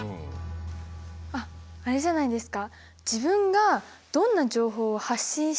あっあれじゃないですか？